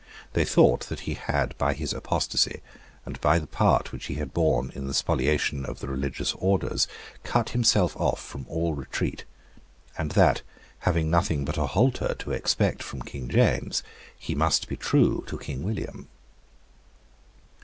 They thought that he had, by his apostasy, and by the part which he had borne in the spoliation of the religious orders, cut himself off from all retreat, and that, having nothing but a halter to expect from King James, he must be true to King William.